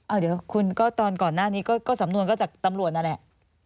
เดี๋ยวคุณก็ตอนก่อนหน้านี้ก็สำนวนก็จากตำรวจนั่นแหละ